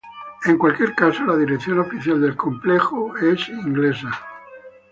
En cualquier caso, la dirección oficial del complejo es inglesa.